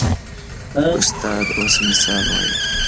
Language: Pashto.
استاد اوس مثال وایي.